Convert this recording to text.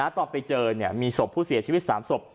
ตอนไปเจอมีศพผู้เสียชีวิต๓ศพ